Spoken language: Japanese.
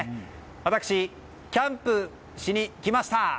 私、キャンプしに来ました！